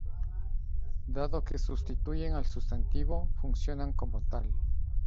Dado que sustituyen al sustantivo, funcionan como tal.